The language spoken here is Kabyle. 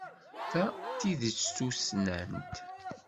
Ta d tidet tussnant.